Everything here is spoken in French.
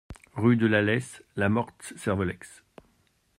Rue de la Leysse, La Motte-Servolex